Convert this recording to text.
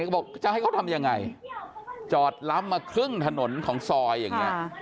ก็บอกจะให้เขาทำยังไงจอดล้ำมาครึ่งถนนของซอยอย่างนี้